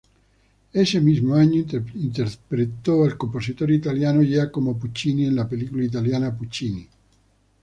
Ese mismo año interpretó al compositor italiano Giacomo Puccini en la película italiana "Puccini".